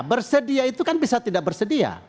bersedia itu kan bisa tidak bersedia